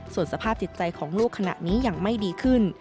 ส่วนสภาพจิตใจของลูกขณะนี้ยังไม่ดีขึ้น